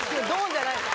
じゃない。